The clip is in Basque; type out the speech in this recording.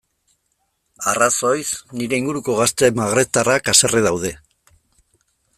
Arrazoiz, nire inguruko gazte magrebtarrak haserre daude.